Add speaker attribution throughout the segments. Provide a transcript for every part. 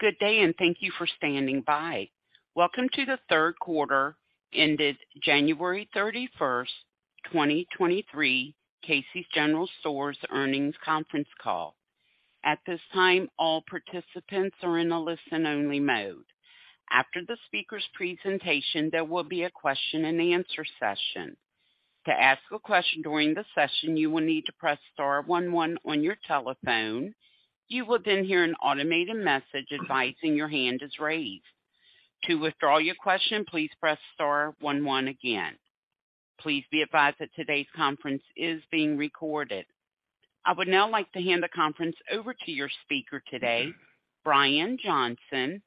Speaker 1: Good day. Thank you for standing by. Welcome to the third quarter ended January 31st, 2023, Casey's General Stores Earnings Conference Call. At this time, all participants are in a listen-only mode. After the speaker's presentation, there will be a question-and-answer session. To ask a question during the session, you will need to press star one one on your telephone. You will then hear an automated message advising your hand is raised. To withdraw your question, please press star one one again. Please be advised that today's conference is being recorded. I would now like to hand the conference over to your speaker today, Brian Johnson,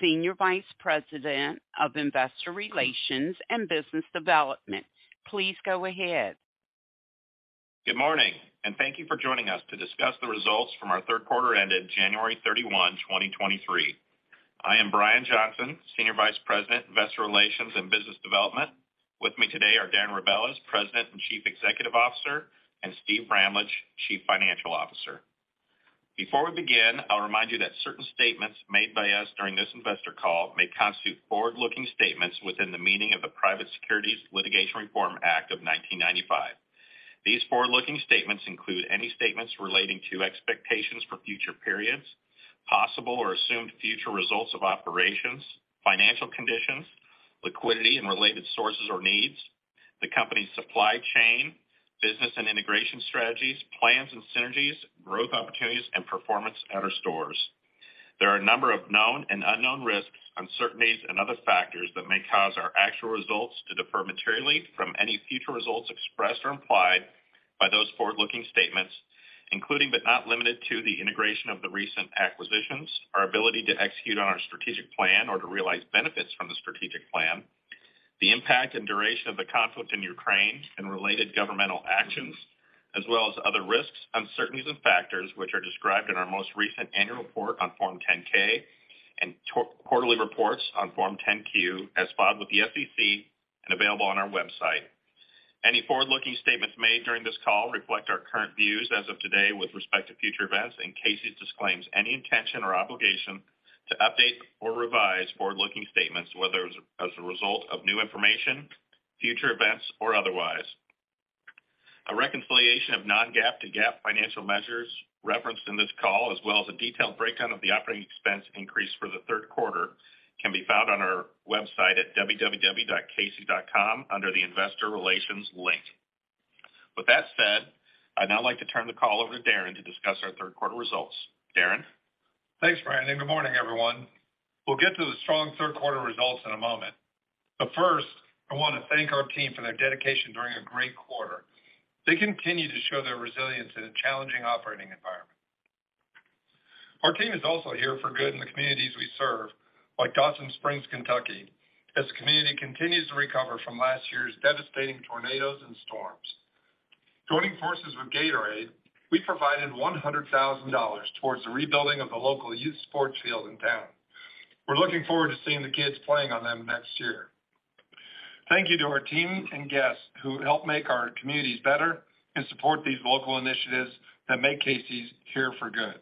Speaker 1: Senior Vice President of Investor Relations and Business Development. Please go ahead.
Speaker 2: Good morning. Thank you for joining us to discuss the results from our third quarter ended January 31, 2023. I am Brian Johnson, Senior Vice President, Investor Relations and Business Development. With me today are Darren Rebelez, President and Chief Executive Officer, and Steve Bramlage, Chief Financial Officer. Before we begin, I'll remind you that certain statements made by us during this investor call may constitute forward-looking statements within the meaning of the Private Securities Litigation Reform Act of 1995. These forward-looking statements include any statements relating to expectations for future periods, possible or assumed future results of operations, financial conditions, liquidity and related sources or needs, the company's supply chain, business and integration strategies, plans and synergies, growth opportunities, and performance at our stores. There are a number of known and unknown risks, uncertainties, and other factors that may cause our actual results to differ materially from any future results expressed or implied by those forward-looking statements, including but not limited to the integration of the recent acquisitions, our ability to execute on our strategic plan or to realize benefits from the strategic plan, the impact and duration of the conflict in Ukraine and related governmental actions, as well as other risks, uncertainties, and factors which are described in our most recent annual report on Form 10-K and quarterly reports on Form 10-Q as filed with the SEC and available on our website. Any forward-looking statements made during this call reflect our current views as of today with respect to future events, Casey's disclaims any intention or obligation to update or revise forward-looking statements, whether as a result of new information, future events, or otherwise. A reconciliation of non-GAAP to GAAP financial measures referenced in this call, as well as a detailed breakdown of the operating expense increase for the third quarter, can be found on our website at www.caseys.com under the Investor Relations link. With that said, I'd now like to turn the call over to Darren to discuss our third quarter results. Darren?
Speaker 3: Thanks, Brian. Good morning, everyone. We'll get to the strong third quarter results in a moment. First, I wanna thank our team for their dedication during a great quarter. They continue to show their resilience in a challenging operating environment. Our team is also here for good in the communities we serve, like Dawson Springs, Kentucky, as the community continues to recover from last year's devastating tornadoes and storms. Joining forces with Gatorade, we provided $100,000 towards the rebuilding of the local youth sports field in town. We're looking forward to seeing the kids playing on them next year. Thank you to our team and guests who help make our communities better and support these local initiatives that make Casey's here for good.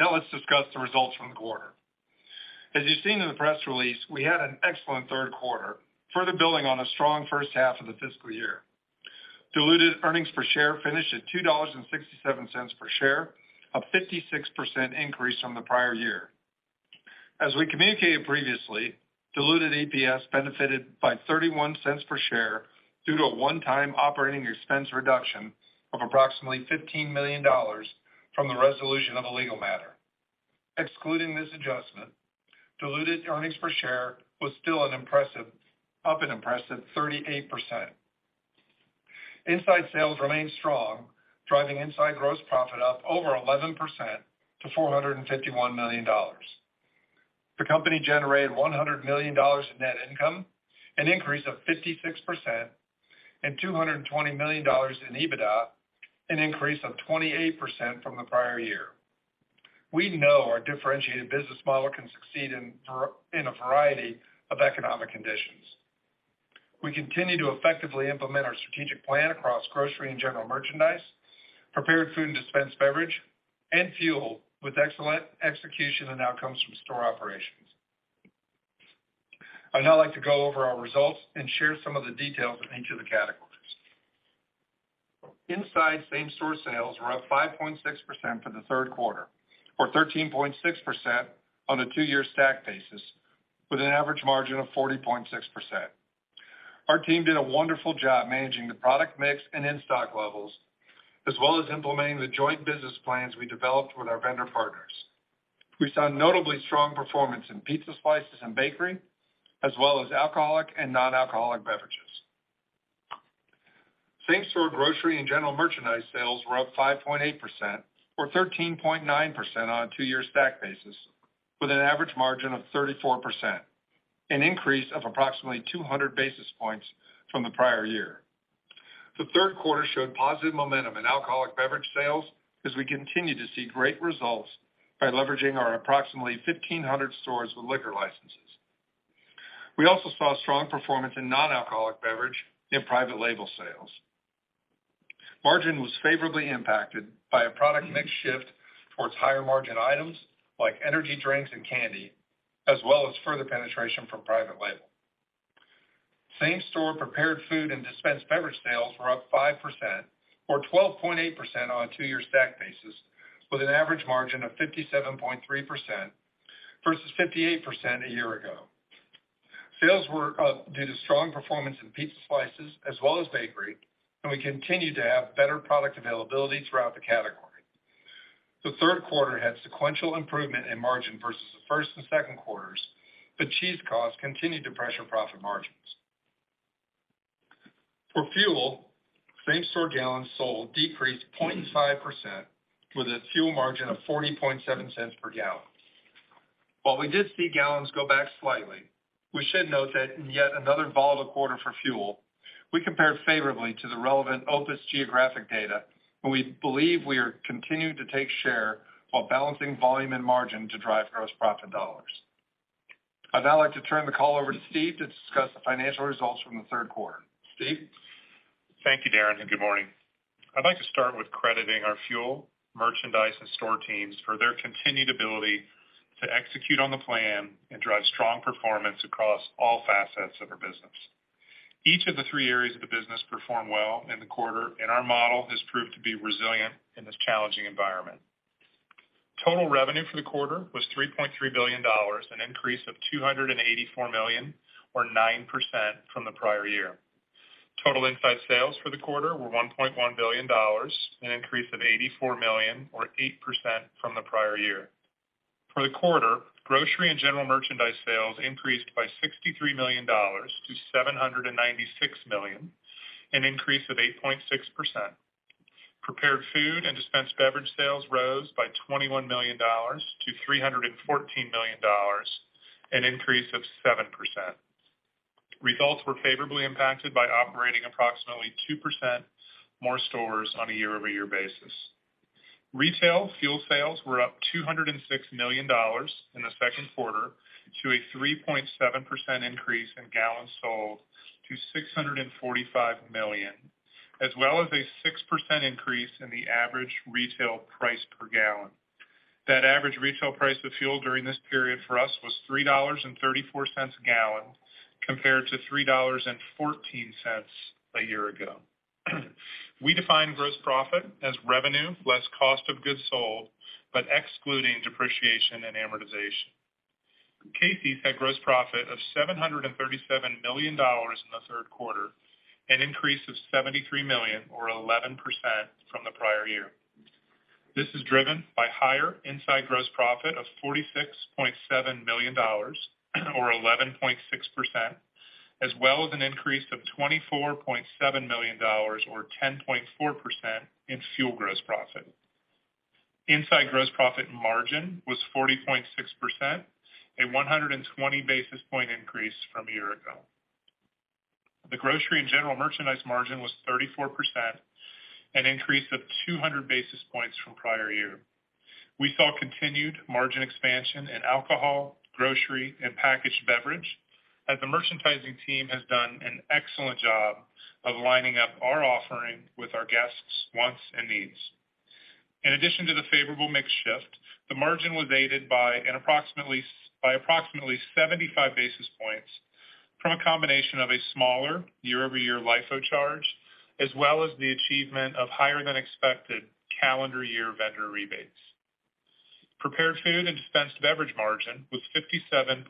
Speaker 3: Now let's discuss the results from the quarter. As you've seen in the press release, we had an excellent third quarter, further building on a strong first half of the fiscal year. Diluted earnings per share finished at $2.67 per share, a 56% increase from the prior year. As we communicated previously, diluted EPS benefited by $0.31 per share due to a one-time operating expense reduction of approximately $15 million from the resolution of a legal matter. Excluding this adjustment, diluted earnings per share was still up an impressive 38%. Inside sales remained strong, driving inside gross profit up over 11% to $451 million. The company generated $100 million in net income, an increase of 56%, and $220 million in EBITDA, an increase of 28% from the prior year. We know our differentiated business model can succeed in a variety of economic conditions. We continue to effectively implement our strategic plan across grocery and general merchandise, prepared food and dispensed beverage, and fuel, with excellent execution and outcomes from store operations. I'd now like to go over our results and share some of the details in each of the categories. Inside same-store sales were up 5.6% for the third quarter, or 13.6% on a two-year stack basis, with an average margin of 40.6%. Our team did a wonderful job managing the product mix and in-stock levels, as well as implementing the joint business plans we developed with our vendor partners. We saw notably strong performance in pizza slices and bakery, as well as alcoholic and non-alcoholic beverages. Same-store grocery and general merchandise sales were up 5.8% or 13.9% on a two-year stack basis, with an average margin of 34%, an increase of approximately 200 basis points from the prior year. The third quarter showed positive momentum in alcoholic beverage sales as we continue to see great results by leveraging our approximately 1,500 stores with liquor licenses. We also saw strong performance in non-alcoholic beverage and private label sales. Margin was favorably impacted by a product mix shift towards higher margin items like energy drinks and candy, as well as further penetration from private label. Same-store prepared food and dispensed beverage sales were up 5% or 12.8% on a two-year stack basis, with an average margin of 57.3% versus 58% a year ago. Sales were up due to strong performance in pizza slices as well as bakery, and we continued to have better product availability throughout the category. The third quarter had sequential improvement in margin versus the first and second quarters, but cheese costs continued to pressure profit margins. For fuel, same store gallons sold decreased 0.5% with a fuel margin of $0.407 per gallon. While we did see gallons go back slightly, we should note that in yet another volatile quarter for fuel, we compared favorably to the relevant OPIS geographic data, and we believe we are continuing to take share while balancing volume and margin to drive gross profit dollars. I'd now like to turn the call over to Steve to discuss the financial results from the third quarter. Steve?
Speaker 4: Thank you, Darren, and good morning. I'd like to start with crediting our fuel, merchandise, and store teams for their continued ability to execute on the plan and drive strong performance across all facets of our business. Each of the three areas of the business performed well in the quarter, and our model has proved to be resilient in this challenging environment. Total revenue for the quarter was $3.3 billion, an increase of $284 million or 9% from the prior year. Total inside sales for the quarter were $1.1 billion, an increase of $84 million or 8% from the prior year. For the quarter, grocery and general merchandise sales increased by $63 million to $796 million, an increase of 8.6%. Prepared food and dispensed beverage sales rose by $21 million to $314 million, an increase of 7%. Results were favorably impacted by operating approximately 2% more stores on a year-over-year basis. Retail fuel sales were up $206 million in the second quarter to a 3.7% increase in gallons sold to 645 million, as well as a 6% increase in the average retail price per gallon. That average retail price of fuel during this period for us was $3.34 a gallon, compared to $3.14 a year ago. We define gross profit as revenue less cost of goods sold, but excluding depreciation and amortization. Casey's had gross profit of $737 million in the third quarter, an increase of $73 million or 11% from the prior year. This is driven by higher inside gross profit of $46.7 million or 11.6%, as well as an increase of $24.7 million or 10.4% in fuel gross profit. Inside gross profit margin was 40.6%, a 120 basis point increase from a year ago. The grocery and general merchandise margin was 34%, an increase of 200 basis points from prior year. We saw continued margin expansion in alcohol, grocery, and packaged beverage, as the merchandising team has done an excellent job of lining up our offering with our guests' wants and needs. In addition to the favorable mix shift, the margin was aided by approximately 75 basis points from a combination of a smaller year-over-year LIFO charge, as well as the achievement of higher than expected calendar year vendor rebates. Prepared food and dispensed beverage margin was 57.3%,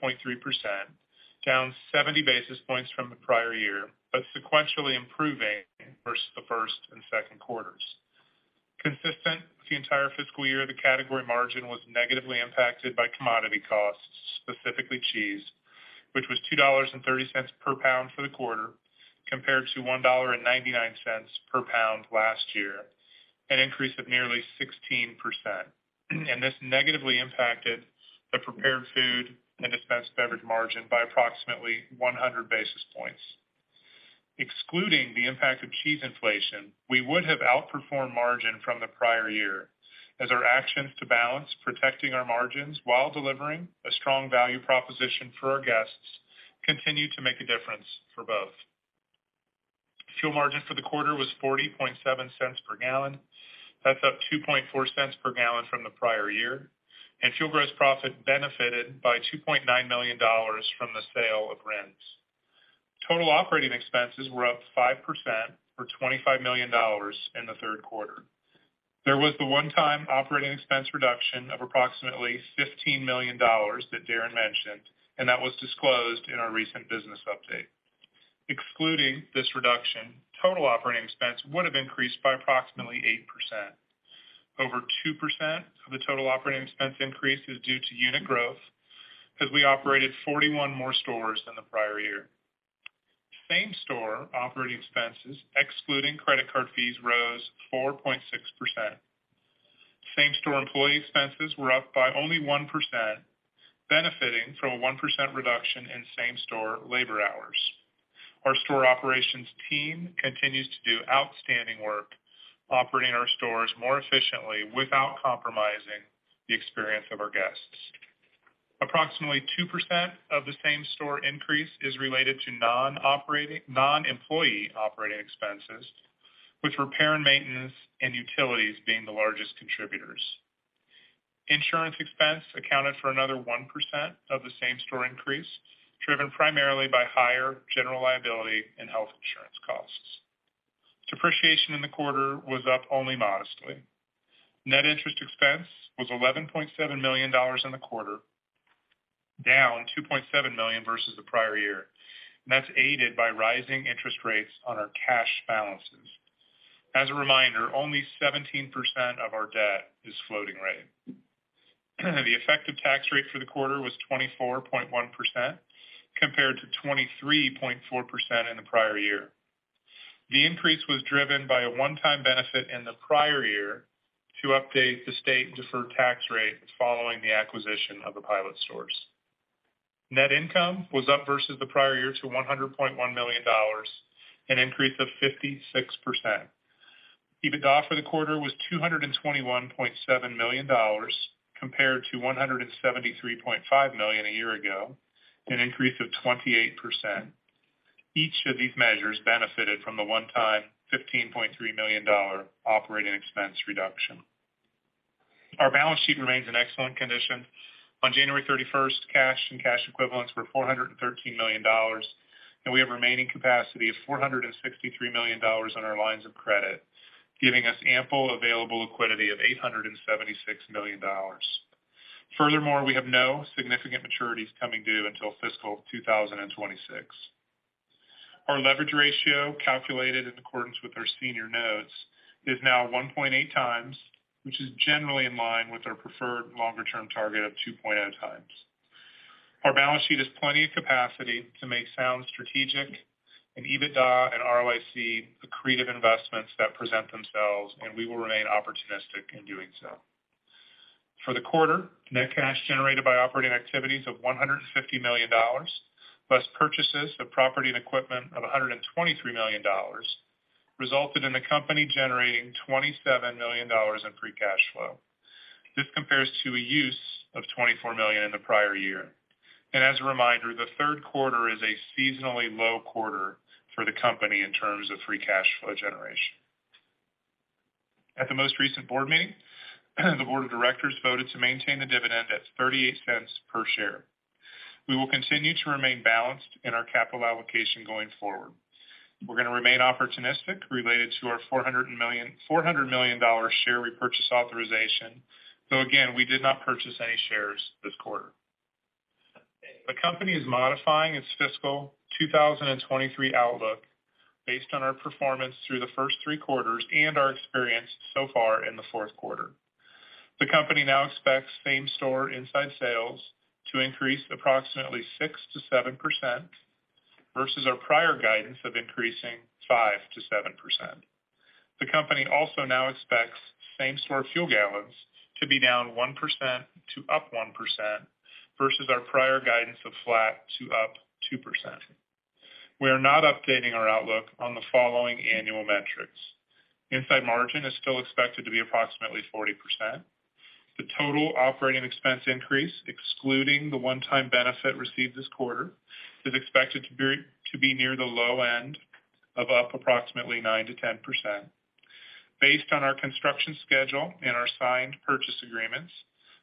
Speaker 4: down 70 basis points from the prior year, but sequentially improving versus the first and second quarters. Consistent with the entire fiscal year, the category margin was negatively impacted by commodity costs, specifically cheese, which was $2.30 per pound for the quarter, compared to $1.99 per pound last year, an increase of nearly 16%. This negatively impacted the prepared food and dispensed beverage margin by approximately 100 basis points. Excluding the impact of cheese inflation, we would have outperformed margin from the prior year as our actions to balance protecting our margins while delivering a strong value proposition for our guests continued to make a difference for both. Fuel margin for the quarter was $0.407 per gallon. That's up $0.024 per gallon from the prior year, and fuel gross profit benefited by $2.9 million from the sale of RINs. Total operating expenses were up 5% or $25 million in the third quarter. There was the one-time operating expense reduction of approximately $15 million that Darren mentioned, and that was disclosed in our recent business update. Excluding this reduction, total operating expense would have increased by approximately 8%. Over 2% of the total operating expense increase is due to unit growth as we operated 41 more stores than the prior year. Same-store operating expenses, excluding credit card fees, rose 4.6%. Same store employee expenses were up by only 1%, benefiting from a 1% reduction in same-store labor hours. Our store operations team continues to do outstanding work operating our stores more efficiently without compromising the experience of our guests. Approximately 2% of the same-store increase is related to non-employee operating expenses, with repair and maintenance and utilities being the largest contributors. Insurance expense accounted for another 1% of the same-store increase, driven primarily by higher general liability and health insurance costs. Depreciation in the quarter was up only modestly. Net interest expense was $11.7 million in the quarter, down $2.7 million versus the prior year. That's aided by rising interest rates on our cash balances. As a reminder, only 17% of our debt is floating rate. The effective tax rate for the quarter was 24.1%, compared to 23.4% in the prior year. The increase was driven by a one-time benefit in the prior year to update the state and deferred tax rate following the acquisition of the Pilot stores. Net income was up versus the prior year to $100.1 million, an increase of 56%. EBITDA for the quarter was $221.7 million, compared to $173.5 million a year ago, an increase of 28%. Each of these measures benefited from the one-time $15.3 million operating expense reduction. Our balance sheet remains in excellent condition. On January 31st, cash and cash equivalents were $413 million, and we have remaining capacity of $463 million on our lines of credit, giving us ample available liquidity of $876 million. Furthermore, we have no significant maturities coming due until fiscal 2026. Our leverage ratio, calculated in accordance with our senior notes, is now 1.8x, which is generally in line with our preferred longer-term target of 2.0x. Our balance sheet has plenty of capacity to make sound strategic and EBITDA and ROIC accretive investments that present themselves, and we will remain opportunistic in doing so. For the quarter, net cash generated by operating activities of $150 million, plus purchases of property and equipment of $123 million, resulted in the company generating $27 million in free cash flow. This compares to a use of $24 million in the prior year. As a reminder, the third quarter is a seasonally low quarter for the company in terms of free cash flow generation. At the most recent board meeting, the Board of Directors voted to maintain the dividend at $0.38 per share. We will continue to remain balanced in our capital allocation going forward. We're gonna remain opportunistic related to our $400 million share repurchase authorization, though again, we did not purchase any shares this quarter. The company is modifying its fiscal 2023 outlook based on our performance through the first three quarters and our experience so far in the fourth quarter. The company now expects same-store inside sales to increase approximately 6%-7% versus our prior guidance of increasing 5%-7%. The company also now expects same-store fuel gallons to be down 1% to up 1% versus our prior guidance of flat to up 2%. We are not updating our outlook on the following annual metrics. Inside margin is still expected to be approximately 40%. The total operating expense increase, excluding the one-time benefit received this quarter, is expected to be near the low end of up approximately 9%-10%. Based on our construction schedule and our signed purchase agreements,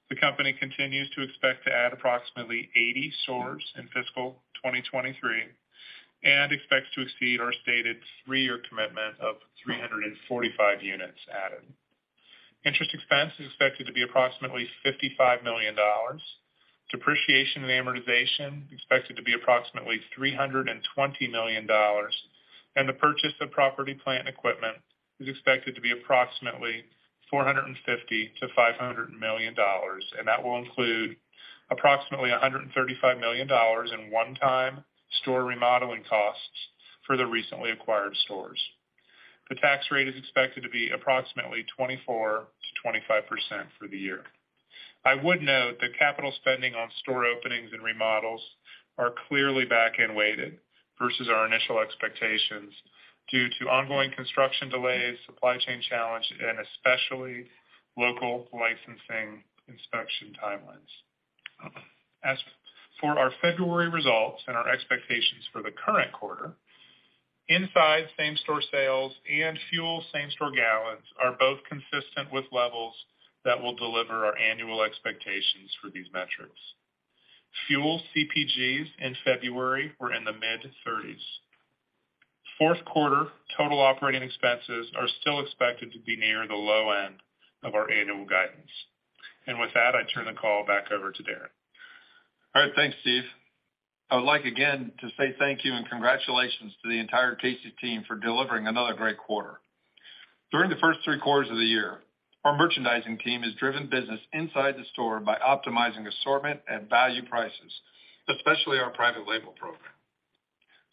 Speaker 4: the company continues to expect to add approximately 80 stores in fiscal 2023 and expects to exceed our stated three-year commitment of 345 units added. Interest expense is expected to be approximately $55 million. Depreciation and amortization expected to be approximately $320 million. The purchase of property, plant, and equipment is expected to be approximately $450 million-$500 million. That will include approximately $135 million in one-time store remodeling costs for the recently acquired stores. The tax rate is expected to be approximately 24%-25% for the year. I would note that capital spending on store openings and remodels are clearly back end-weighted versus our initial expectations due to ongoing construction delays, supply chain challenge, and especially local licensing inspection timelines. As for our February results and our expectations for the current quarter, inside same-store sales and fuel same-store gallons are both consistent with levels that will deliver our annual expectations for these metrics. Fuel CPGs in February were in the mid-30s. Fourth quarter total operating expenses are still expected to be near the low end of our annual guidance. With that, I turn the call back over to Darren.
Speaker 3: All right. Thanks, Steve. I would like again to say thank you and congratulations to the entire Casey's team for delivering another great quarter. During the first three quarters of the year, our merchandising team has driven business inside the store by optimizing assortment and value prices, especially our private label program.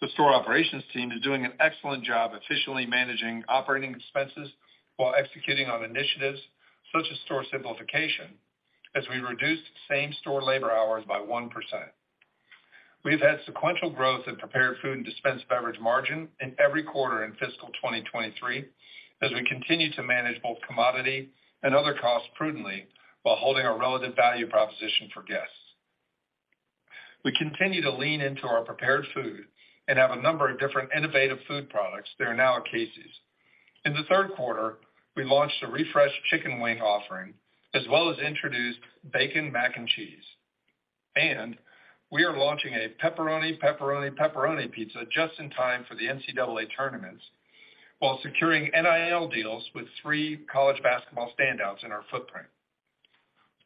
Speaker 3: The store operations team is doing an excellent job efficiently managing operating expenses while executing on initiatives such as store simplification as we reduced same-store labor hours by 1%. We've had sequential growth in prepared food and dispensed beverage margin in every quarter in fiscal 2023, as we continue to manage both commodity and other costs prudently while holding our relative value proposition for guests. We continue to lean into our prepared food and have a number of different innovative food products that are now at Casey's. In the third quarter, we launched a refreshed chicken wing offering, as well as introduced Bacon Mac and Cheese. We are launching a PEPPERONI PEPPERONI PEPPERONI pizza just in time for the NCAA tournaments while securing NIL deals with three college basketball standouts in our footprint.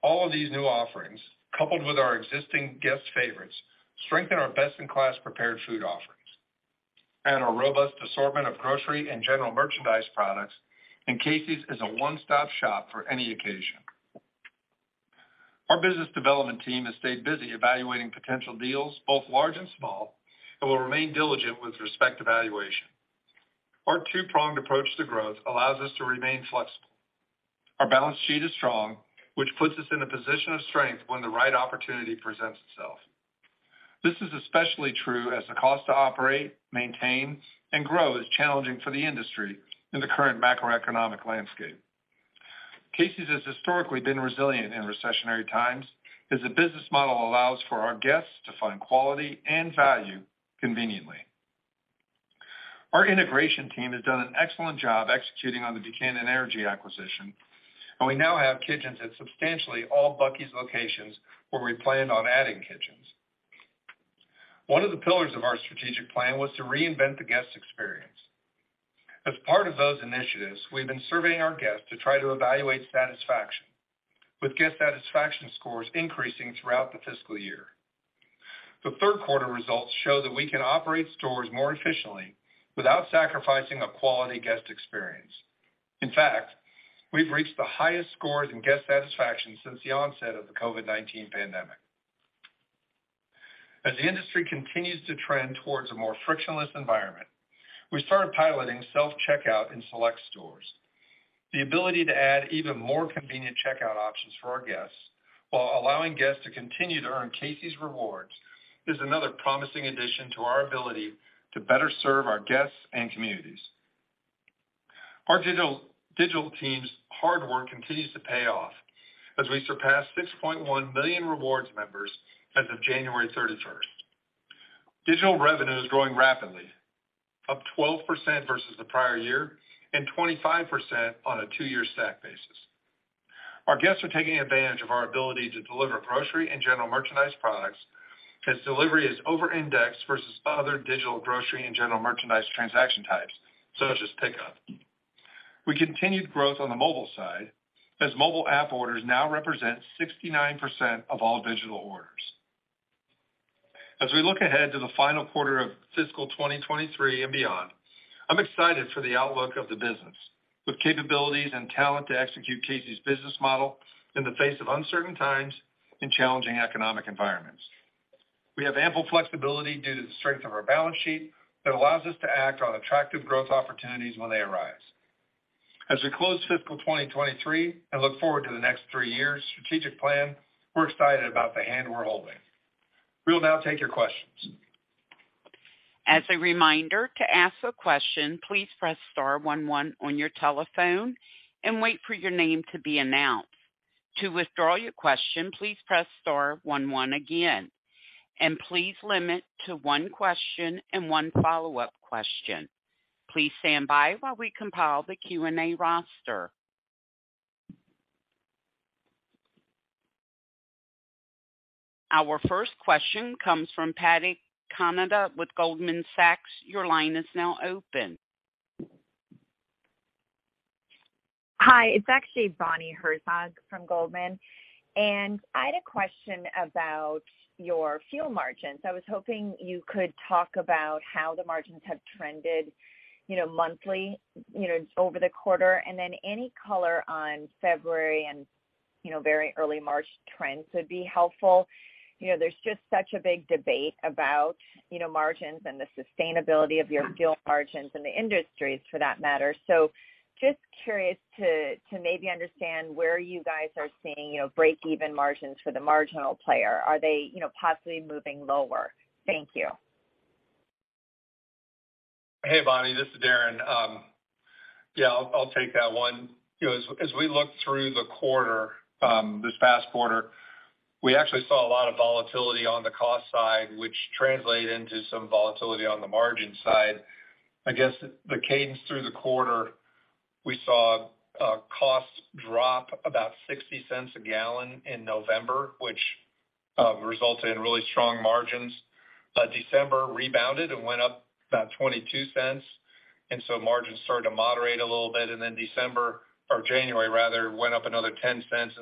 Speaker 3: All of these new offerings, coupled with our existing guest favorites, strengthen our best-in-class prepared food offerings and our robust assortment of grocery and general merchandise products. Casey's is a one-stop shop for any occasion. Our business development team has stayed busy evaluating potential deals, both large and small. Will remain diligent with respect to valuation. Our two-pronged approach to growth allows us to remain flexible. Our balance sheet is strong, which puts us in a position of strength when the right opportunity presents itself. This is especially true as the cost to operate, maintain, and grow is challenging for the industry in the current macroeconomic landscape. Casey's has historically been resilient in recessionary times, as the business model allows for our guests to find quality and value conveniently. Our integration team has done an excellent job executing on the Buchanan Energy acquisition, and we now have kitchens at substantially all Bucky's locations where we planned on adding kitchens. One of the pillars of our strategic plan was to reinvent the guest experience. As part of those initiatives, we've been surveying our guests to try to evaluate satisfaction, with guest satisfaction scores increasing throughout the fiscal year. The third quarter results show that we can operate stores more efficiently without sacrificing a quality guest experience. In fact, we've reached the highest scores in guest satisfaction since the onset of the COVID-19 pandemic. As the industry continues to trend towards a more frictionless environment, we started piloting self-checkout in select stores. The ability to add even more convenient checkout options for our guests while allowing guests to continue to earn Casey's Rewards is another promising addition to our ability to better serve our guests and communities. Our digital team's hard work continues to pay off as we surpass 6.1 million Rewards members as of January 31st. Digital revenue is growing rapidly, up 12% versus the prior year and 25% on a two-year stack basis. Our guests are taking advantage of our ability to deliver grocery and general merchandise products, as delivery is overindexed versus other digital grocery and general merchandise transaction types, such as pickup. We continued growth on the mobile side, as mobile app orders now represent 69% of all digital orders. As we look ahead to the final quarter of fiscal 2023 and beyond, I'm excited for the outlook of the business, with capabilities and talent to execute Casey's business model in the face of uncertain times and challenging economic environments. We have ample flexibility due to the strength of our balance sheet that allows us to act on attractive growth opportunities when they arise. As we close fiscal 2023 and look forward to the next three years' strategic plan, we're excited about the hand we're holding. We'll now take your questions.
Speaker 1: As a reminder, to ask a question, please press star one one on your telephone and wait for your name to be announced. To withdraw your question, please press star one one again, please limit to one question and one follow-up question. Please stand by while we compile the Q&A roster. Our first question comes from Patrice Kanada with Goldman Sachs. Your line is now open.
Speaker 5: Hi, it's actually Bonnie Herzog from Goldman. I had a question about your fuel margins. I was hoping you could talk about how the margins have trended, you know, monthly, you know, over the quarter. Any color on February and, you know, very early March trends would be helpful. There's just such a big debate about, you know, margins and the sustainability of your fuel margins and the industries for that matter. Just curious to maybe understand where you guys are seeing, you know, break even margins for the marginal player. Are they, you know, possibly moving lower? Thank you.
Speaker 3: Hey, Bonnie, this is Darren. Yeah, I'll take that one. You know, as we look through the quarter, this past quarter, we actually saw a lot of volatility on the cost side, which translated into some volatility on the margin side. I guess the cadence through the quarter, we saw costs drop about $0.60 a gallon in November, which resulted in really strong margins. December rebounded and went up about $0.22, margins started to moderate a little bit. December, or January rather, went up another $0.10,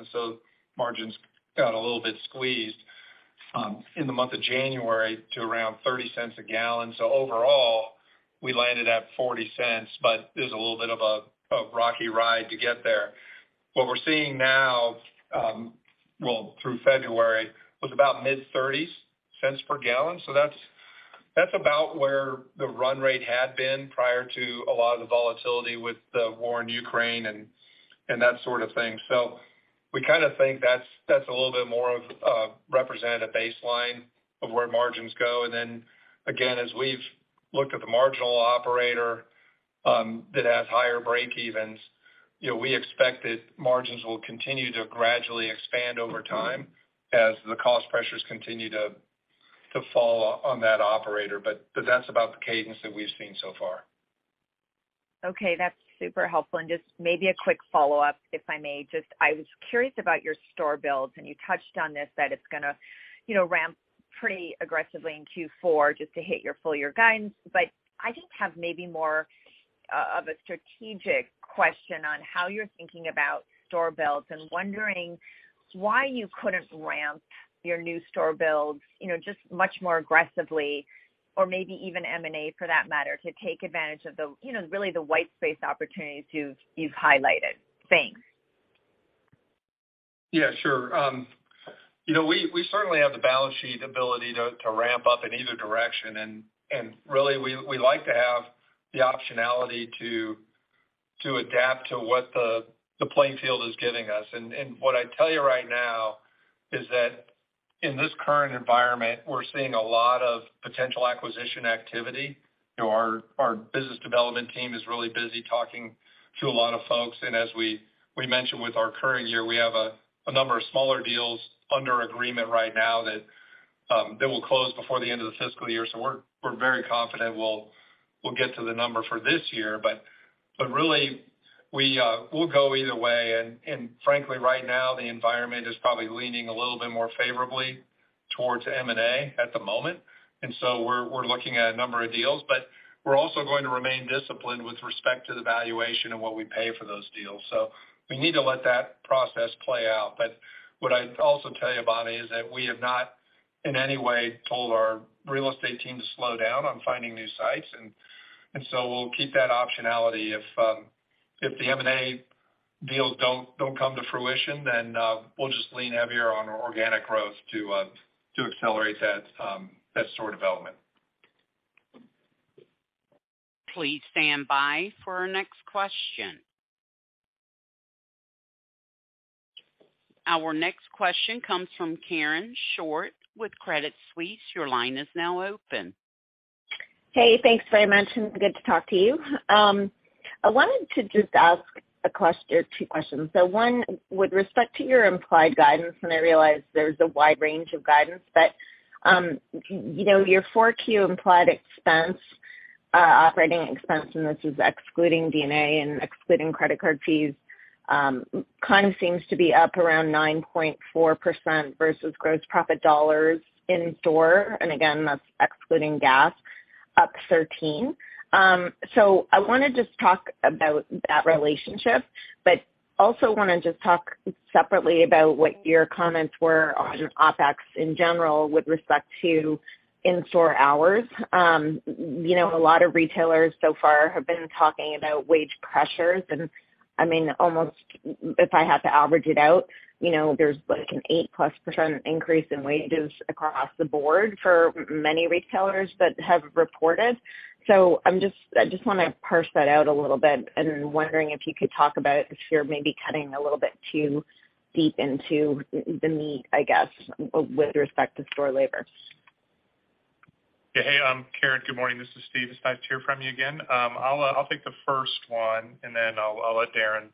Speaker 3: margins got a little bit squeezed in the month of January to around $0.30 a gallon. Overall, we landed at $0.40, but it was a little bit of a rocky ride to get there. What we're seeing now, well, through February, was about mid-$0.30s per gallon. That's about where the run rate had been prior to a lot of the volatility with the war in Ukraine and that sort of thing. We kind of think that's a little bit more of a representative baseline of where margins go. Then again, as we've looked at the marginal operator, that has higher breakevens, you know, we expect that margins will continue to gradually expand over time as the cost pressures continue to fall on that operator. That's about the cadence that we've seen so far.
Speaker 5: Okay. That's super helpful. Just maybe a quick follow-up, if I may. Just, I was curious about your store builds, and you touched on this, that it's gonna, you know, ramp pretty aggressively in Q4 just to hit your full year guidance. I just have maybe more of a strategic question on how you're thinking about store builds and wondering why you couldn't ramp your new store builds, you know, just much more aggressively or maybe even M&A for that matter, to take advantage of the, you know, really the white space opportunities you've highlighted. Thanks.
Speaker 3: Yeah, sure. You know, we certainly have the balance sheet ability to ramp up in either direction. Really, we like to have the optionality to adapt to what the playing field is giving us. What I'd tell you right now is that in this current environment, we're seeing a lot of potential acquisition activity. You know, our business development team is really busy talking to a lot of folks. As we mentioned with our current year, we have a number of smaller deals under agreement right now that will close before the end of the fiscal year. We're, we're very confident we'll get to the number for this year. Really, we'll go either way. Frankly, right now the environment is probably leaning a little bit more favorably towards M&A at the moment. We're looking at a number of deals, but we're also going to remain disciplined with respect to the valuation and what we pay for those deals. We need to let that process play out. What I'd also tell you, Bonnie, is that we have not in any way told our real estate team to slow down on finding new sites. We'll keep that optionality. If the M&A deals don't come to fruition, we'll just lean heavier on our organic growth to accelerate that store development.
Speaker 1: Please stand by for our next question. Our next question comes from Karen Short with Credit Suisse. Your line is now open.
Speaker 6: Thanks very much, good to talk to you. I wanted to just ask two questions. One, with respect to your implied guidance, I realize there's a wide range of guidance, you know, your 4Q implied expense operating expense, and this is excluding D&A and excluding credit card fees, kind of seems to be up around 9.4% versus gross profit dollars in store. Again, that's excluding gas, up 13%. I wanna just talk about that relationship, also wanna just talk separately about what your comments were on OpEx in general with respect to in-store hours. You know, a lot of retailers so far have been talking about wage pressures. I mean, almost, if I had to average it out, you know, there's like an 8%+ increase in wages across the board for many retailers that have reported. I just wanna parse that out a little bit and wondering if you could talk about if you're maybe cutting a little bit too deep into the meat, I guess, with respect to store labor.
Speaker 4: Yeah. Hey, Karen, good morning. This is Steve. It's nice to hear from you again. I'll take the first one, and then I'll let Darren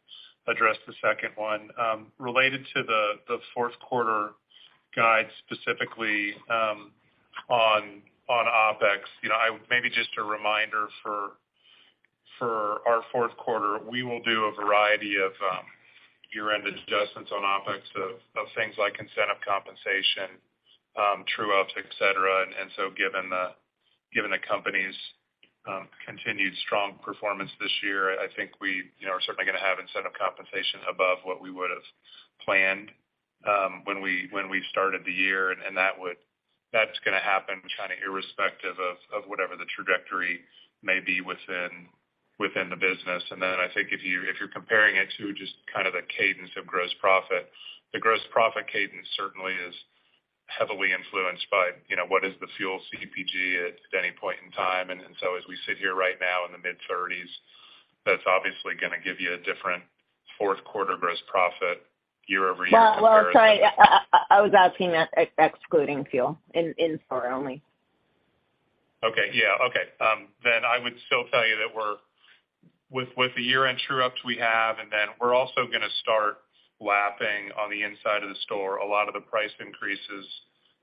Speaker 4: address the second one. Related to the fourth quarter guide, specifically, on OpEx. You know, maybe just a reminder for our fourth quarter, we will do a variety of year-end adjustments on OpEx of things like incentive compensation, true-ups, et cetera. Given the company's continued strong performance this year, I think we, you know, are certainly gonna have incentive compensation above what we would've planned when we started the year. That's gonna happen kinda irrespective of whatever the trajectory may be within the business. I think if you're comparing it to just kind of the cadence of gross profit, the gross profit cadence certainly is heavily influenced by, you know, what is the fuel CPG at any point in time. As we sit here right now in the mid-30s, that's obviously gonna give you a different fourth quarter gross profit year-over-year comparison.
Speaker 6: Well, sorry. I was asking excluding fuel, in store only.
Speaker 4: Okay. Yeah. Okay. I would still tell you that with the year-end true-ups we have, we're also gonna start lapping on the inside of the store a lot of the price increases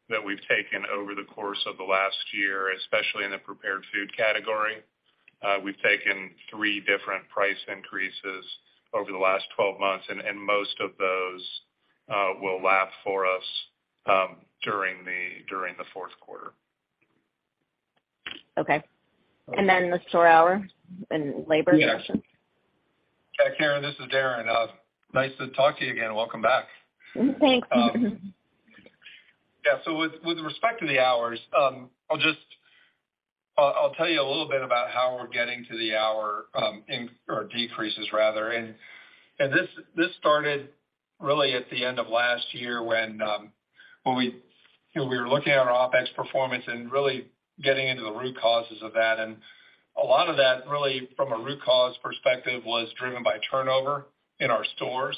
Speaker 4: that we've taken over the course of the last year, especially in the prepared food category. We've taken three different price increases over the last 12 months, and most of those will lap for us during the fourth quarter.
Speaker 6: Okay. The store hour and labor question?
Speaker 3: Yeah. Yeah, Karen, this is Darren. Nice to talk to you again. Welcome back.
Speaker 6: Thanks.
Speaker 3: Yeah. With respect to the hours, I'll tell you a little bit about how we're getting to the hour or decreases rather. This started really at the end of last year when we, you know, we were looking at our OpEx performance and really getting into the root causes of that, a lot of that really from a root cause perspective, was driven by turnover in our stores.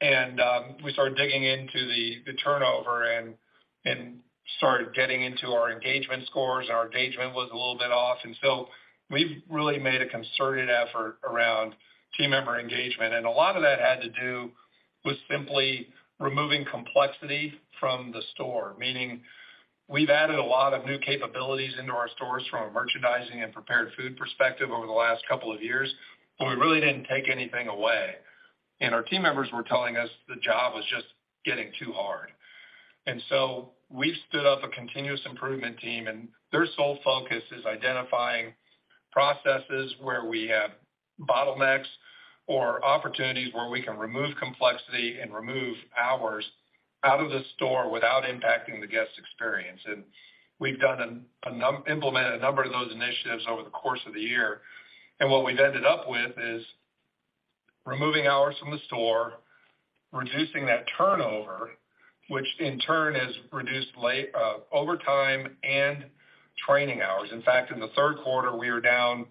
Speaker 3: We started digging into the turnover and started getting into our engagement scores, our engagement was a little bit off. We've really made a concerted effort around team member engagement. A lot of that had to do with simply removing complexity from the store. Meaning, we've added a lot of new capabilities into our stores from a merchandising and prepared food perspective over the last couple of years, but we really didn't take anything away. Our team members were telling us the job was just getting too hard. We've stood up a continuous improvement team, and their sole focus is identifying processes where we have bottlenecks or opportunities where we can remove complexity and remove hours out of the store without impacting the guest experience. We've done a number of those initiatives over the course of the year. What we've ended up with is removing hours from the store, reducing that turnover, which in turn has reduced overtime and training hours. In fact, in the third quarter, we are down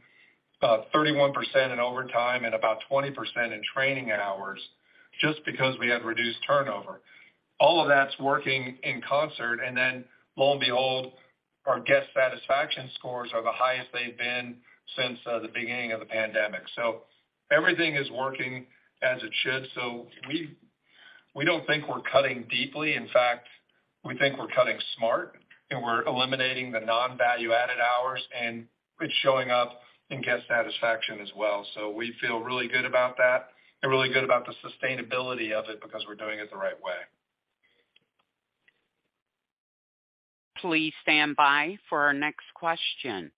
Speaker 3: 31% in overtime and about 20% in training hours just because we had reduced turnover. All of that's working in concert. Lo and behold, our guest satisfaction scores are the highest they've been since the beginning of the pandemic. Everything is working as it should. We don't think we're cutting deeply. In fact, we think we're cutting smart, and we're eliminating the non-value-added hours, and it's showing up in guest satisfaction as well. We feel really good about that and really good about the sustainability of it because we're doing it the right way.
Speaker 1: Please stand by for our next question.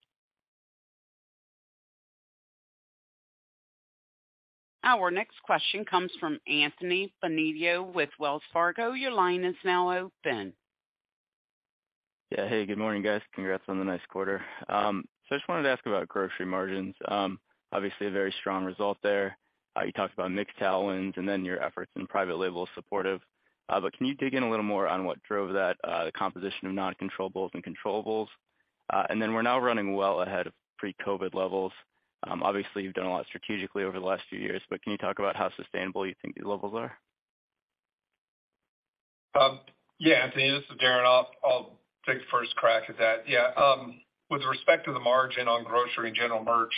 Speaker 1: Our next question comes from Anthony Bonadio with Wells Fargo. Your line is now open.
Speaker 7: Yeah. Hey, good morning, guys. Congrats on the nice quarter. I just wanted to ask about grocery margins. Obviously, a very strong result there. You talked about mix and gallons and then your efforts in private label supportive. Can you dig in a little more on what drove that, the composition of non-controllables and controllables? Then we're now running well ahead of pre-COVID levels. Obviously, you've done a lot strategically over the last few years, but can you talk about how sustainable you think these levels are?
Speaker 3: Yeah, Anthony, this is Darren. I'll take the first crack at that. Yeah. With respect to the margin on grocery and general merch,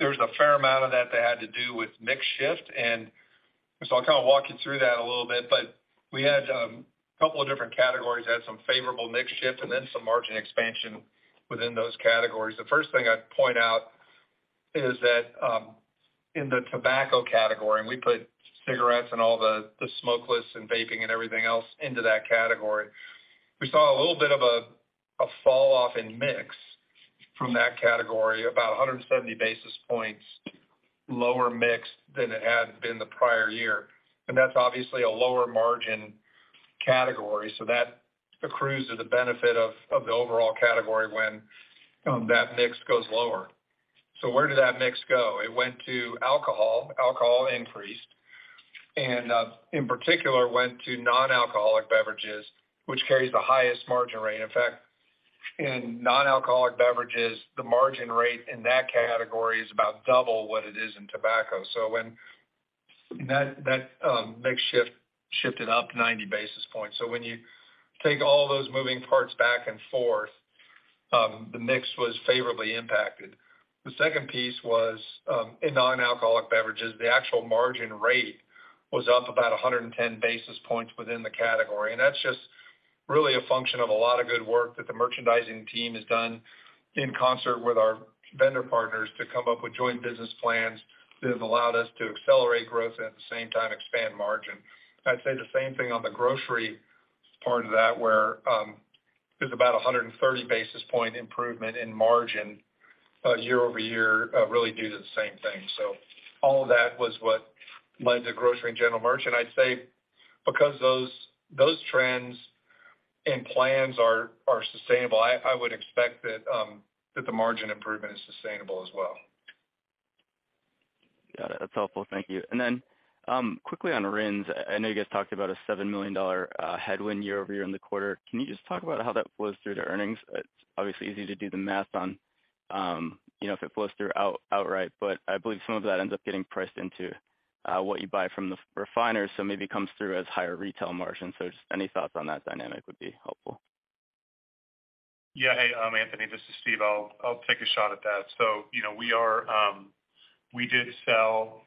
Speaker 3: there's a fair amount of that that had to do with mix shift. I'll kind of walk you through that a little bit. We had a couple of different categories, had some favorable mix shift and then some margin expansion within those categories. The first thing I'd point out is that in the tobacco category, and we put cigarettes and all the smokeless and vaping and everything else into that category. We saw a little bit of a falloff in mix from that category, about 170 basis points lower mix than it had been the prior year. That's obviously a lower margin category. That accrues to the benefit of the overall category when that mix goes lower. Where did that mix go? It went to alcohol. Alcohol increased and in particular, went to non-alcoholic beverages, which carries the highest margin rate. In fact, in non-alcoholic beverages, the margin rate in that category is about double what it is in tobacco. When that mix shift shifted up 90 basis points. When you take all those moving parts back and forth, the mix was favorably impacted. The second piece was, in non-alcoholic beverages, the actual margin rate was up about 110 basis points within the category. That's just really a function of a lot of good work that the merchandising team has done in concert with our vendor partners to come up with joint business plans that have allowed us to accelerate growth at the same time expand margin. I'd say the same thing on the grocery part of that, where, there's about 130 basis point improvement in margin, year-over-year, really due to the same thing. All of that was what led to grocery and general merchant. I'd say because those trends and plans are sustainable, I would expect that the margin improvement is sustainable as well.
Speaker 7: Got it. That's helpful. Thank you. Then, quickly on RINs, I know you guys talked about a $7 million, headwind year-over-year in the quarter. Can you just talk about how that flows through to earnings? It's obviously easy to do the math on, you know, if it flows through outright, but I believe some of that ends up getting priced into, what you buy from the refiners, so maybe comes through as higher retail margins. Just any thoughts on that dynamic would be helpful.
Speaker 4: Yeah. Hey, Anthony, this is Steve. I'll take a shot at that. You know, we are, we did sell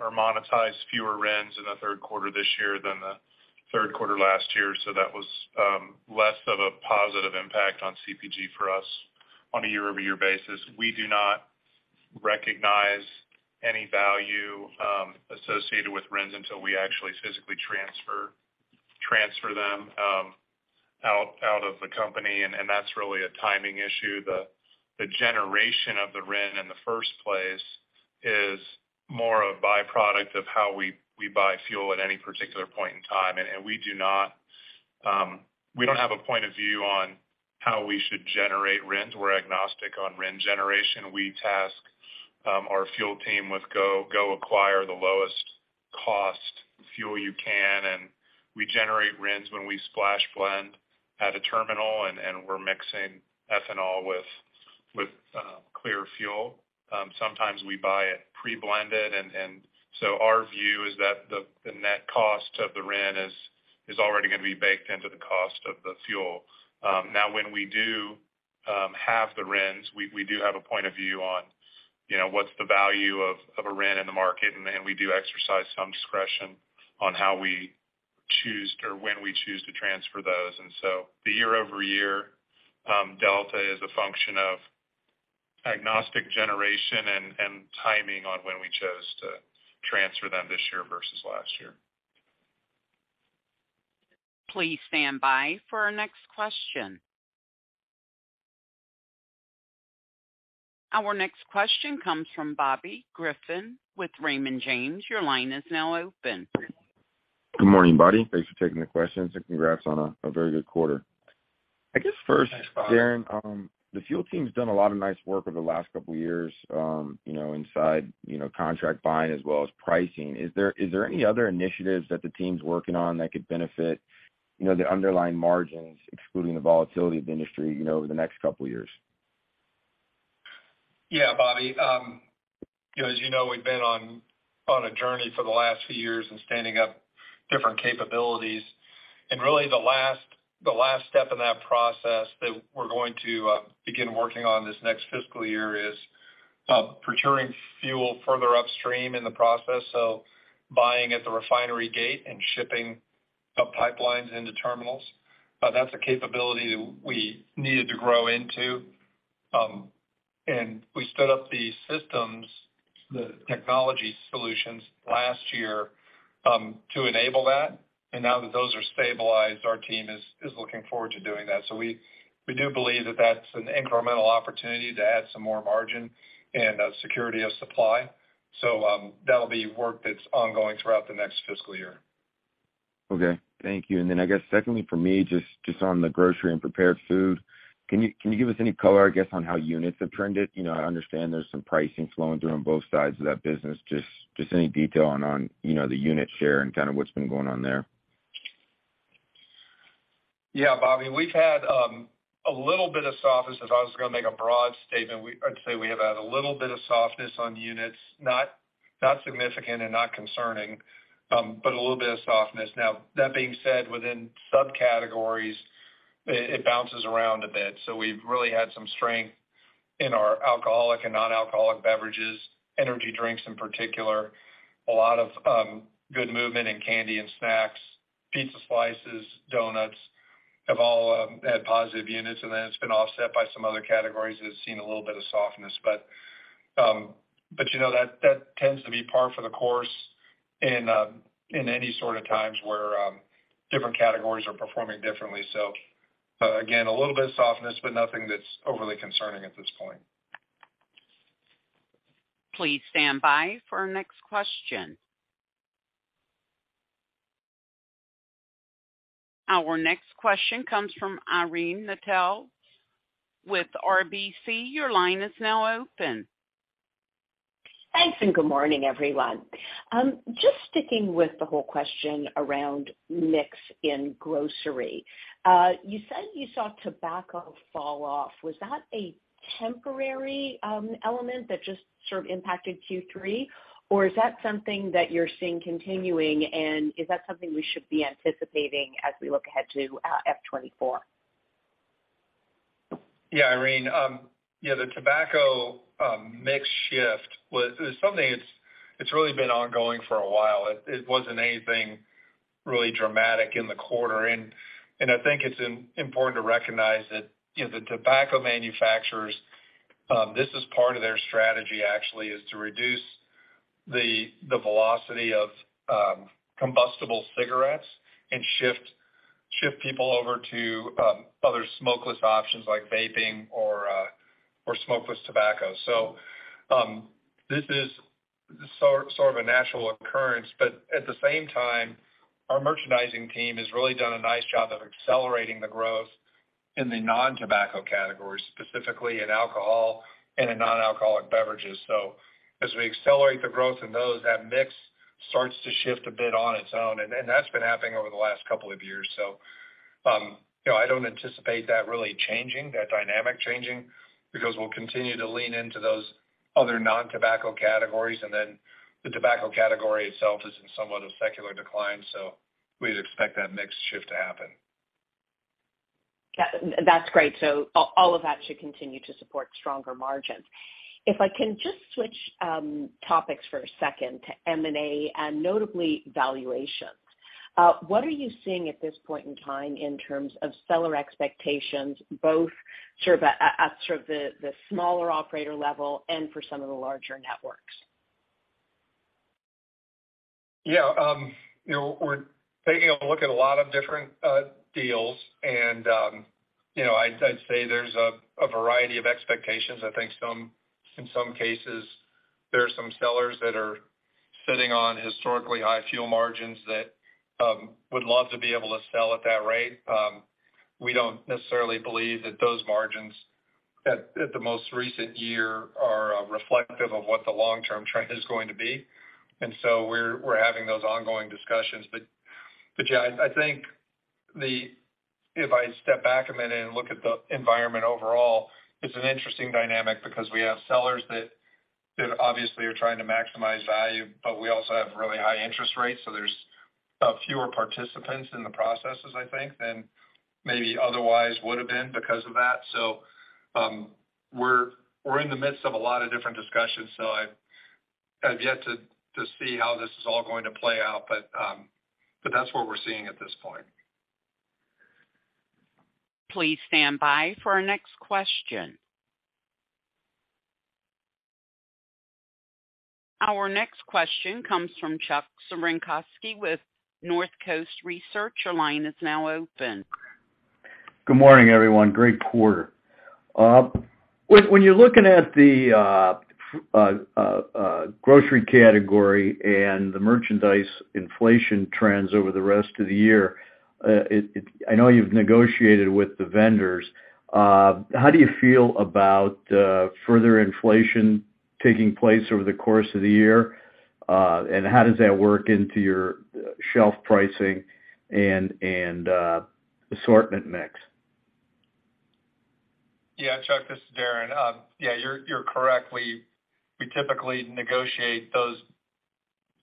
Speaker 4: or monetize fewer RINs in the third quarter this year than the third quarter last year, that was less of a positive impact on CPG for us on a year-over-year basis. We do not recognize any value associated with RINs until we actually physically transfer them out of the company, and that's really a timing issue. The generation of the RIN in the first place is more a byproduct of how we buy fuel at any particular point in time. And we don't have a point of view on how we should generate RINs. We're agnostic on RIN generation. We task our fuel team with go acquire the lowest cost fuel you can, and we generate RINs when we splash blend at a terminal and we're mixing ethanol with clear fuel. Sometimes we buy it pre-blended. So our view is that the net cost of the RIN is already gonna be baked into the cost of the fuel. Now when we do have the RINs, we do have a point of view on, you know, what's the value of a RIN in the market, and we do exercise some discretion on how we choose or when we choose to transfer those. So the year-over-year delta is a function of agnostic generation and timing on when we chose to transfer them this year versus last year.
Speaker 1: Please stand by for our next question. Our next question comes from Bobby Griffin with Raymond James. Your line is now open.
Speaker 8: Good morning, Bobby. Thanks for taking the questions and congrats on a very good quarter. I guess first-
Speaker 3: Thanks, Bobby.
Speaker 8: Darren, the field team's done a lot of nice work over the last couple years, you know, inside, you know, contract buying as well as pricing. Is there any other initiatives that the team's working on that could benefit, you know, the underlying margins, excluding the volatility of the industry, you know, over the next couple years?
Speaker 3: Yeah, Bobby. You know, as you know, we've been on a journey for the last few years in standing up different capabilities. Really the last step in that process that we're going to begin working on this next fiscal year is procuring fuel further upstream in the process. Buying at the refinery gate and shipping up pipelines into terminals. That's a capability that we needed to grow into. We stood up the systems, the technology solutions last year, to enable that. Now that those are stabilized, our team is looking forward to doing that. We do believe that that's an incremental opportunity to add some more margin and security of supply. That'll be work that's ongoing throughout the next fiscal year.
Speaker 8: Okay. Thank you. Then I guess secondly for me, just on the grocery and prepared food, can you give us any color, I guess, on how units have trended? You know, I understand there's some pricing flowing through on both sides of that business. Just any detail on, you know, the unit share and kinda what's been going on there.
Speaker 3: Yeah, Bobby, we've had a little bit of softness. If I was gonna make a broad statement, I'd say we have had a little bit of softness on units, not significant and not concerning, but a little bit of softness. Now that being said, within subcategories, it bounces around a bit. So we've really had some strength in our alcoholic and non-alcoholic beverages, energy drinks in particular. A lot of good movement in candy and snacks, pizza slices, donuts have all had positive units, and then it's been offset by some other categories that have seen a little bit of softness. You know that tends to be par for the course in any sort of times where different categories are performing differently. Again, a little bit of softness, but nothing that's overly concerning at this point.
Speaker 1: Please stand by for our next question. Our next question comes from Irene Nattel with RBC. Your line is now open.
Speaker 9: Thanks. Good morning, everyone. Just sticking with the whole question around mix in grocery. You said you saw tobacco fall off. Was that a temporary element that just sort of impacted Q3, or is that something that you're seeing continuing, and is that something we should be anticipating as we look ahead to F 2024?
Speaker 3: Yeah, Irene. Yeah, the tobacco mix shift is something that's, it's really been ongoing for a while. It wasn't anything really dramatic in the quarter. I think it's important to recognize that, you know, the tobacco manufacturers, this is part of their strategy actually, is to reduce the velocity of combustible cigarettes and shift people over to other smokeless options like vaping or smokeless tobacco. This is sort of a natural occurrence, but at the same time, our merchandising team has really done a nice job of accelerating the growth in the non-tobacco categories, specifically in alcohol and in non-alcoholic beverages. As we accelerate the growth in those, that mix starts to shift a bit on its own. That's been happening over the last couple of years. You know, I don't anticipate that really changing, that dynamic changing because we'll continue to lean into those other non-tobacco categories. The tobacco category itself is in somewhat of secular decline, so we'd expect that mix shift to happen.
Speaker 9: Yeah, that's great. All of that should continue to support stronger margins. If I can just switch topics for a second to M&A and notably valuations. What are you seeing at this point in time in terms of seller expectations, both sort of at sort of the smaller operator level and for some of the larger networks?
Speaker 3: Yeah. you know, we're taking a look at a lot of different deals and, you know, I'd say there's a variety of expectations. I think some, in some cases, there are some sellers that are sitting on historically high fuel margins that would love to be able to sell at that rate. We don't necessarily believe that those margins at the most recent year are reflective of what the long-term trend is going to be. We're having those ongoing discussions. Yeah, I think if I step back a minute and look at the environment overall, it's an interesting dynamic because we have sellers that obviously are trying to maximize value, but we also have really high interest rates, so there's fewer participants in the processes, I think, than maybe otherwise would have been because of that. We're in the midst of a lot of different discussions, so I've yet to see how this is all going to play out. That's what we're seeing at this point.
Speaker 1: Please stand by for our next question. Our next question comes from Chuck Cerankosky with Northcoast Research. Your line is now open.
Speaker 10: Good morning, everyone. Great quarter. When you're looking at the grocery category and the merchandise inflation trends over the rest of the year, I know you've negotiated with the vendors. How do you feel about further inflation taking place over the course of the year? How does that work into your shelf pricing and assortment mix?
Speaker 3: Yeah, Chuck, this is Darren. Yeah, you're correct. We typically negotiate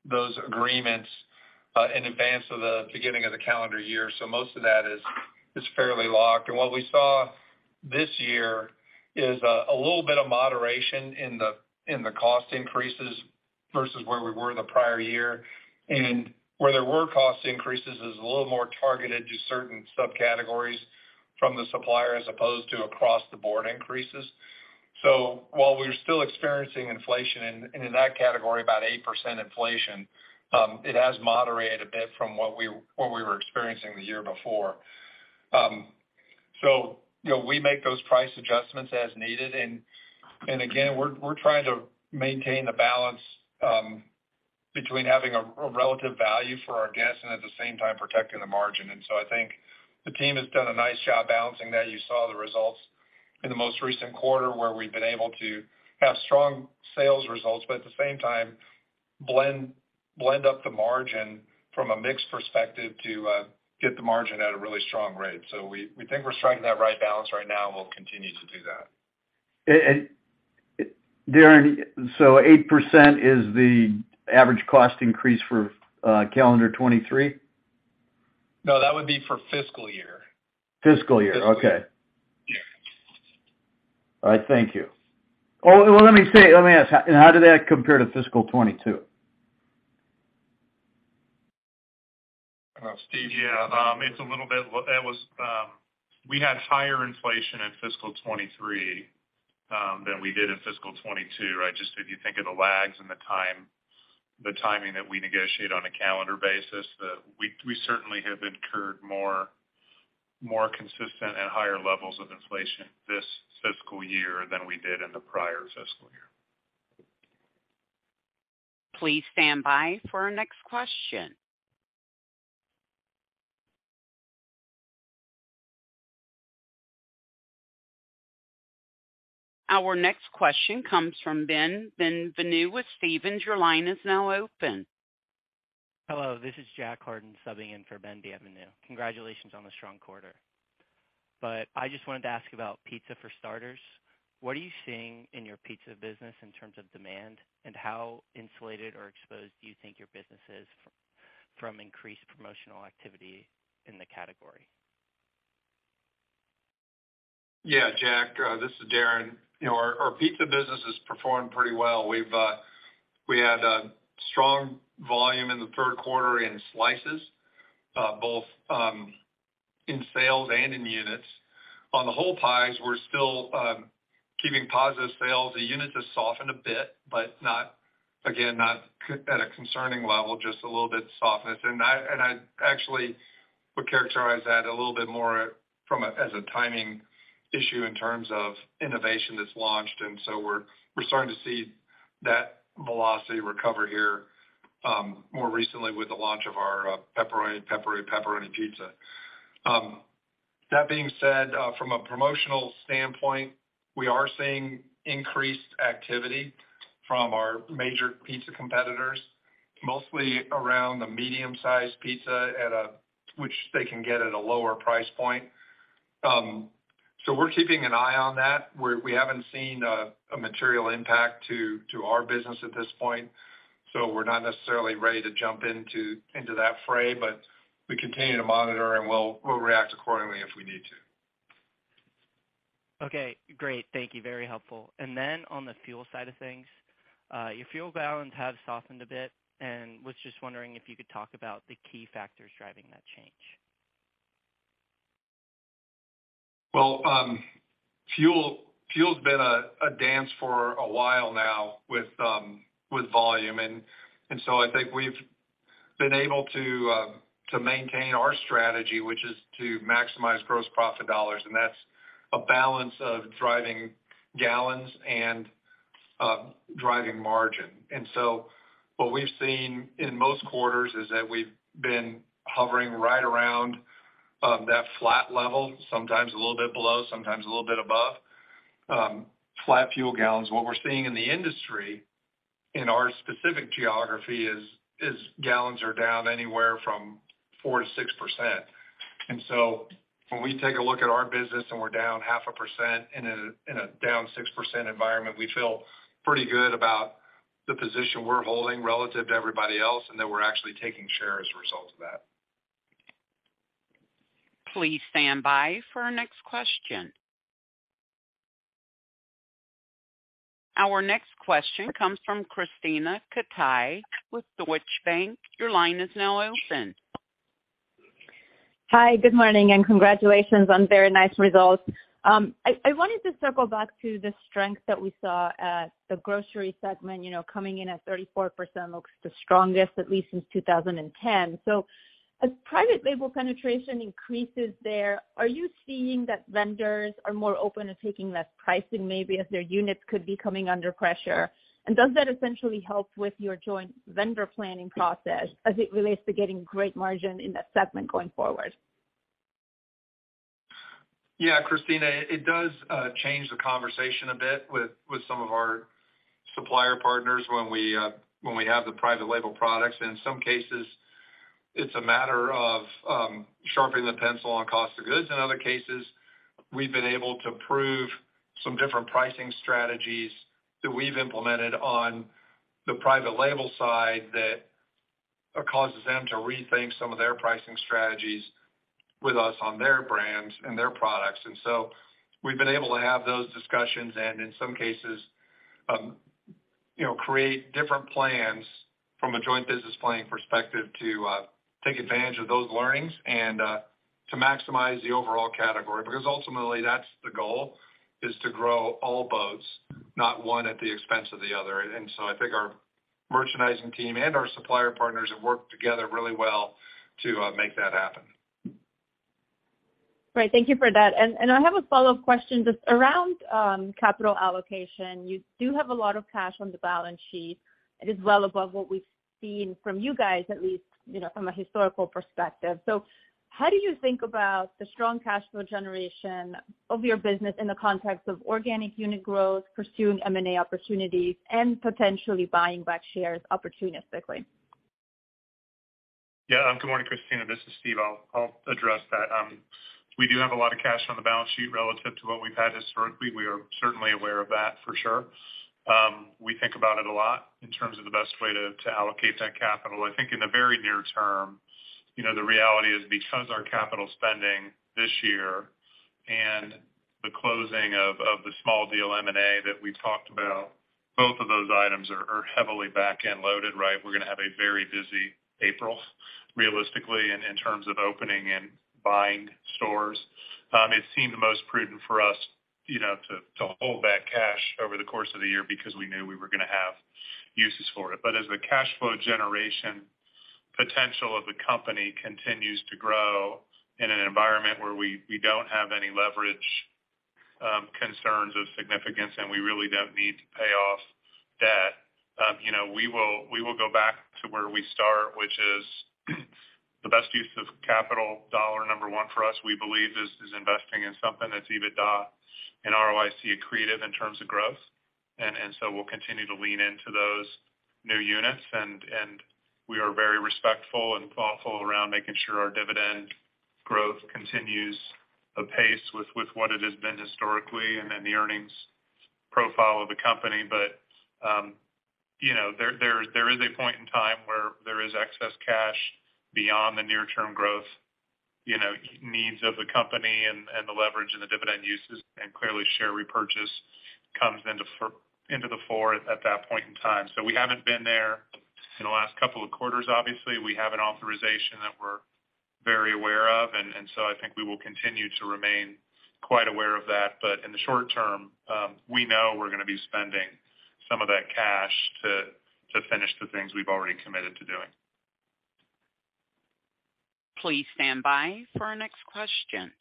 Speaker 3: those agreements in advance of the beginning of the calendar year. Most of that is fairly locked. What we saw this year is a little bit of moderation in the cost increases versus where we were in the prior year. Where there were cost increases is a little more targeted to certain subcategories from the supplier as opposed to across the board increases. While we're still experiencing inflation, and in that category, about 8% inflation, it has moderated a bit from what we were experiencing the year before. You know, we make those price adjustments as needed. Again, we're trying to maintain the balance between having a relative value for our guests and at the same time protecting the margin. I think the team has done a nice job balancing that. You saw the results in the most recent quarter where we've been able to have strong sales results, but at the same time, blend up the margin from a mix perspective to get the margin at a really strong rate. We think we're striking that right balance right now, and we'll continue to do that.
Speaker 10: Darren, 8% is the average cost increase for calendar 2023?
Speaker 3: No, that would be for fiscal year.
Speaker 10: Fiscal year. Okay.
Speaker 3: Yeah.
Speaker 10: All right, thank you. Well, let me ask, how did that compare to fiscal 2022?
Speaker 3: I don't know, Steve, do you..
Speaker 4: It was, we had higher inflation in fiscal 2023, than we did in fiscal 2022, right? Just if you think of the lags and the time, the timing that we negotiate on a calendar basis, we certainly have incurred more consistent and higher levels of inflation this fiscal year than we did in the prior fiscal year.
Speaker 1: Please stand by for our next question. Our next question comes from Ben Bienvenu with Stephens. Your line is now open.
Speaker 11: Hello, this is Jack Hardin, subbing in for Ben Bienvenu. Congratulations on the strong quarter. I just wanted to ask about pizza for starters. What are you seeing in your pizza business in terms of demand, and how insulated or exposed do you think your business is from increased promotional activity in the category?
Speaker 3: Yeah, Jack, this is Darren. You know, our pizza business has performed pretty well. We've, we had a strong volume in the third quarter in slices, both in sales and in units. On the whole pies, we're still keeping positive sales. The units have softened a bit, but not, again, not at a concerning level, just a little bit softness. I'd actually would characterize that a little bit more as a timing issue in terms of innovation that's launched. We're starting to see that velocity recover here, more recently with the launch of our PEPPERONI PEPPERONI PEPPERONI pizza. That being said, from a promotional standpoint, we are seeing increased activity from our major pizza competitors, mostly around the medium-sized pizza which they can get at a lower price point. We're keeping an eye on that. We haven't seen a material impact to our business at this point, so we're not necessarily ready to jump into that fray, but we continue to monitor and we'll react accordingly if we need to.
Speaker 11: Okay, great. Thank you. Very helpful. Then on the fuel side of things, your fuel balance has softened a bit, and was just wondering if you could talk about the key factors driving that change?
Speaker 3: Fuel's been a dance for a while now with volume. I think we've been able to maintain our strategy, which is to maximize gross profit dollars, and that's a balance of driving gallons and driving margin. What we've seen in most quarters is that we've been hovering right around that flat level, sometimes a little bit below, sometimes a little bit above flat fuel gallons. What we're seeing in the industry in our specific geography is gallons are down anywhere from 4%-6%. When we take a look at our business and we're down 0.5% in a down 6% environment, we feel pretty good about the position we're holding relative to everybody else, and that we're actually taking share as a result of that.
Speaker 1: Please stand by for our next question. Our next question comes from Krisztina Katai with Deutsche Bank. Your line is now open.
Speaker 12: Hi, good morning. Congratulations on very nice results. I wanted to circle back to the strength that we saw at the grocery segment, you know, coming in at 34% looks the strongest, at least since 2010. As private label penetration increases there, are you seeing that vendors are more open to taking less pricing, maybe as their units could be coming under pressure? Does that essentially help with your joint vendor planning process as it relates to getting great margin in that segment going forward?
Speaker 3: Yeah, Krisztina, it does change the conversation a bit with some of our supplier partners when we have the private label products. In some cases, it's a matter of sharpening the pencil on cost of goods. In other cases, we've been able to prove some different pricing strategies that we've implemented on the private label side that causes them to rethink some of their pricing strategies with us on their brands and their products. We've been able to have those discussions and in some cases, you know, create different plans from a joint business planning perspective to take advantage of those learnings and to maximize the overall category. Ultimately, that's the goal, is to grow all boats, not one at the expense of the other. I think our merchandising team and our supplier partners have worked together really well to make that happen.
Speaker 12: Right. Thank you for that. I have a follow-up question. Just around capital allocation, you do have a lot of cash on the balance sheet. It is well above what we've seen from you guys, at least, you know, from a historical perspective. How do you think about the strong cash flow generation of your business in the context of organic unit growth, pursuing M&A opportunities, and potentially buying back shares opportunistically?
Speaker 4: Good morning, Krisztina. This is Steve. I'll address that. We do have a lot of cash on the balance sheet relative to what we've had historically. We are certainly aware of that for sure. We think about it a lot in terms of the best way to allocate that capital. I think in the very near-term, you know, the reality is because our capital spending this year and the closing of the small deal M&A that we talked about, both of those items are heavily back-end loaded, right? We're gonna have a very busy April, realistically, in terms of opening and buying stores. It seemed the most prudent for us, you know, to hold that cash over the course of the year because we knew we were gonna have uses for it. As the cash flow generation potential of the company continues to grow in an environment where we don't have any leverage concerns of significance, and we really don't need to pay off debt, you know, we will go back to where we start, which is the best use of capital dollar number one for us, we believe is investing in something that's EBITDA and ROIC accretive in terms of growth. We'll continue to lean into those new units and we are very respectful and thoughtful around making sure our dividend growth continues apace with what it has been historically and then the earnings profile of the company. You know, there is a point in time where there is excess cash beyond the near-term growth, you know, needs of the company and the leverage and the dividend uses, and clearly, share repurchase comes into the fore at that point in time. We haven't been there in the last couple of quarters, obviously. We have an authorization that we're very aware of, and so I think we will continue to remain quite aware of that. In the short-term, we know we're gonna be spending some of that cash to finish the things we've already committed to doing.
Speaker 1: Please stand by for our next question.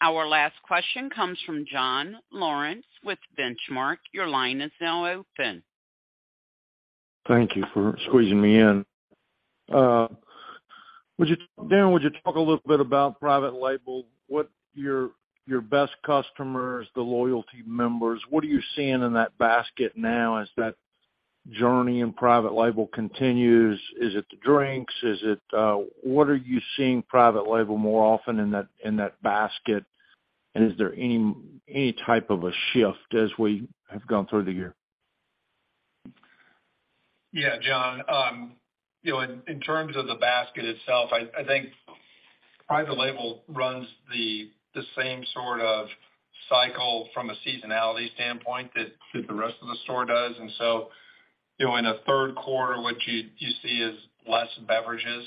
Speaker 1: Our last question comes from John Lawrence with Benchmark. Your line is now open.
Speaker 13: Thank you for squeezing me in. Darren, would you talk a little bit about private label? What your best customers, the loyalty members, what are you seeing in that basket now as that journey in private label continues? Is it the drinks? Is it, what are you seeing private label more often in that basket? Is there any type of a shift as we have gone through the year?
Speaker 3: Yeah, John. You know, in terms of the basket itself, I think private label runs the same sort of cycle from a seasonality standpoint that the rest of the store does. You know, in a third quarter, what you see is less beverages,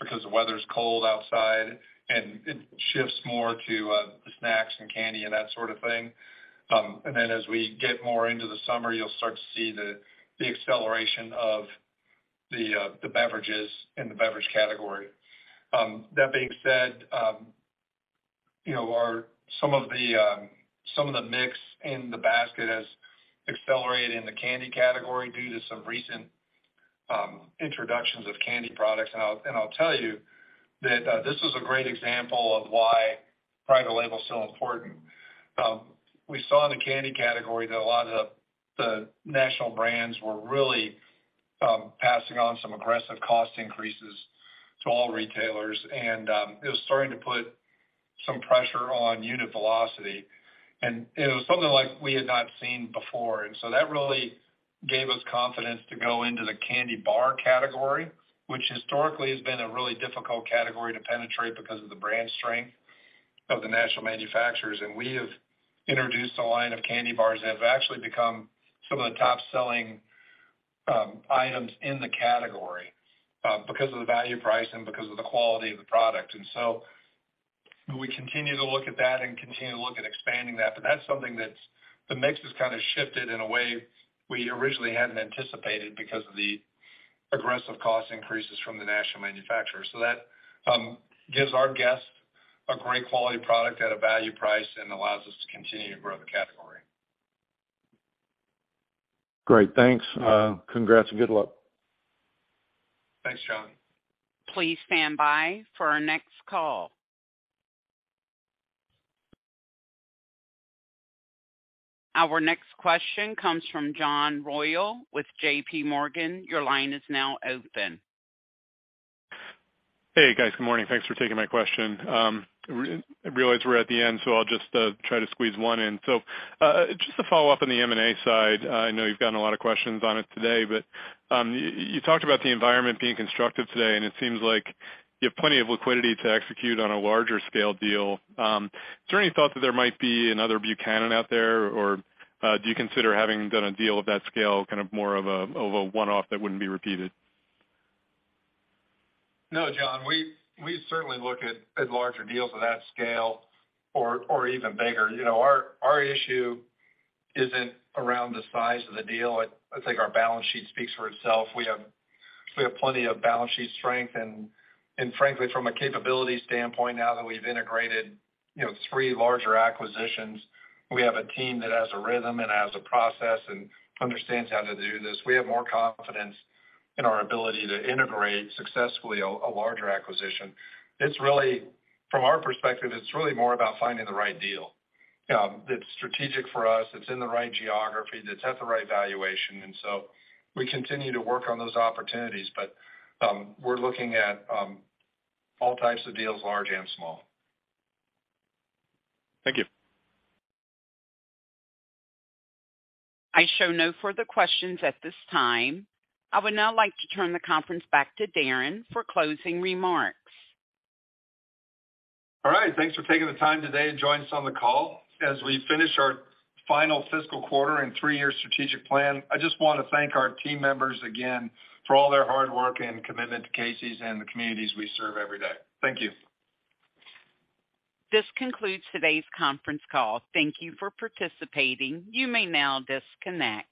Speaker 3: because the weather's cold outside. It shifts more to the snacks and candy and that sort of thing. Then as we get more into the summer, you'll start to see the acceleration of the beverages in the beverage category. That being said, you know, some of the mix in the basket has accelerated in the candy category due to some recent introductions of candy products. I'll tell you that this is a great example of why private label is so important. We saw in the candy category that a lot of the national brands were really passing on some aggressive cost increases to all retailers, and it was starting to put some pressure on unit velocity. It was something like we had not seen before. That really gave us confidence to go into the candy bar category, which historically has been a really difficult category to penetrate because of the brand strength of the national manufacturers. We have introduced a line of candy bars that have actually become some of the top-selling items in the category because of the value pricing, because of the quality of the product. We continue to look at that and continue to look at expanding that. That's something that's the mix has kind of shifted in a way we originally hadn't anticipated because of the aggressive cost increases from the national manufacturers. That gives our guests a great quality product at a value price and allows us to continue to grow the category.
Speaker 13: Great. Thanks. Congrats and good luck.
Speaker 3: Thanks, John.
Speaker 1: Please stand by for our next call. Our next question comes from John Royall with JPMorgan. Your line is now open.
Speaker 14: Hey, guys. Good morning. Thanks for taking my question. I realize we're at the end, so I'll just try to squeeze one in. Just to follow up on the M&A side, I know you've gotten a lot of questions on it today, but you talked about the environment being constructive today, and it seems like you have plenty of liquidity to execute on a larger scale deal. Is there any thought that there might be another Buchanan out there, or do you consider having done a deal of that scale, kind of more of a one-off that wouldn't be repeated?
Speaker 3: No, John, we certainly look at larger deals of that scale or even bigger. You know, our issue isn't around the size of the deal. I think our balance sheet speaks for itself. We have plenty of balance sheet strength, and frankly, from a capability standpoint, now that we've integrated, you know, three larger acquisitions, we have a team that has a rhythm and has a process and understands how to do this. We have more confidence in our ability to integrate successfully a larger acquisition. From our perspective, it's really more about finding the right deal that's strategic for us, that's in the right geography, that's at the right valuation. We continue to work on those opportunities. We're looking at all types of deals, large and small.
Speaker 14: Thank you.
Speaker 1: I show no further questions at this time. I would now like to turn the conference back to Darren for closing remarks.
Speaker 3: All right. Thanks for taking the time today to join us on the call. As we finish our final fiscal quarter and three-year strategic plan, I just wanna thank our team members again for all their hard work and commitment to Casey's and the communities we serve every day. Thank you.
Speaker 1: This concludes today's conference call. Thank Thank you for participating. You may now disconnect.